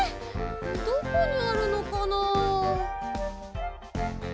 どこにあるのかな。